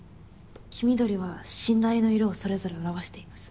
黄緑は「信頼」の色をそれぞれ表しています。